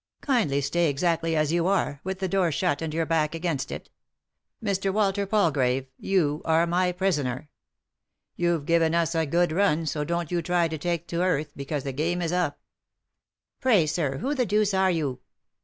Kindly stay exactly as you are, with the door shut, and your back against it. Mr. Walter Palgrave, you are my prisoner. You've given us a good run, so 316 3i 9 iii^d by Google THE INTERRUPTED KISS don't you try to take to earth, because the game is up." " Pray, sir, who the deuce are you